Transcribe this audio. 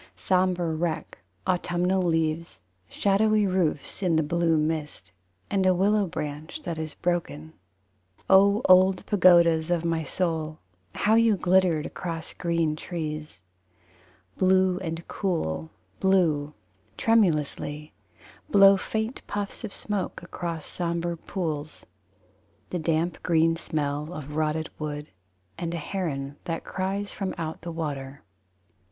Sombre wreck autumnal leaves; Shadowy roofs In the blue mist, And a willow branch that is broken. O old pagodas of my soul, how you glittered across green trees! Blue and cool: Blue, tremulously, Blow faint puffs of smoke Across sombre pools. The damp green smell of rotted wood; And a heron that cries from out the water.